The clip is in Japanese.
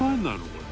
これ」